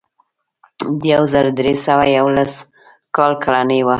د یو زر درې سوه یوولس کال کالنۍ وه.